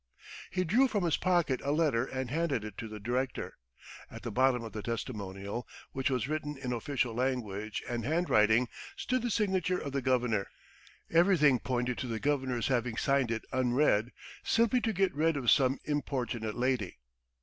..." He drew from his pocket a letter and handed it to the director. At the bottom of the testimonial, which was written in official language and handwriting, stood the signature of the Governor. Everything pointed to the Governor's having signed it unread, simply to get rid of some importunate lady.